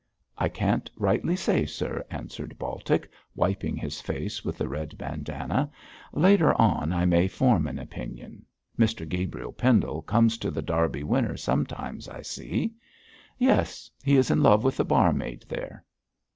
'I can't rightly say, sir,' answered Baltic, wiping his face with the red bandanna. 'Later on I may form an opinion. Mr Gabriel Pendle comes to The Derby Winner sometimes, I see.' 'Yes; he is in love with the barmaid there.'